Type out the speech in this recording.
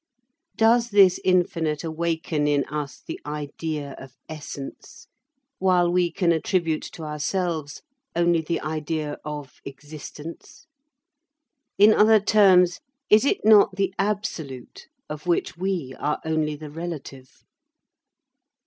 Does this infinite awaken in us the idea of essence, while we can attribute to ourselves only the idea of existence? In other terms, is it not the absolute, of which we are only the relative?